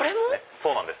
そうなんです。